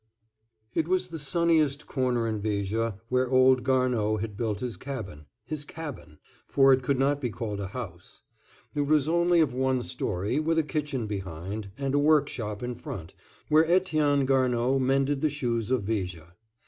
IT was the sunniest corner in Viger where old Garnaud had built his cabin,—his cabin, for it could not be called a house. It was only of one story, with a kitchen behind, and a workshop in front, where Etienne Garnaud mended the shoes of Viger.